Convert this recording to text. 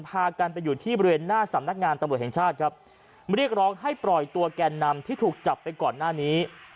พากันไปอยู่ที่บริเวณหน้าสำนักงานตำรวจแห่งชาติครับเรียกร้องให้ปล่อยตัวแกนนำที่ถูกจับไปก่อนหน้านี้